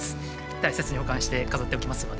大切に保管して飾っておきますので。